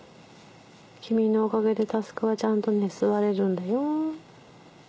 君のおかげで奨はちゃんとね座れるんだよ。